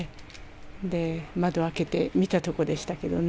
それで窓開けて見たとこでしたけどね。